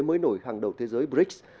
mới nổi hàng đầu thế giới brics